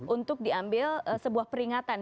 untuk diambil sebuah peringatan